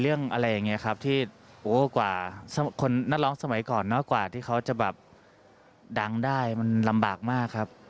อะไรอย่างนี้ครับที่โอ้กว่าคนนักร้องสมัยก่อนน้อยกว่าที่เขาจะแบบดังได้มันลำบากมากครับ